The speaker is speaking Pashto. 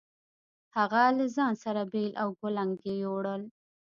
هغه له ځان سره بېل او کُلنګ يو وړل.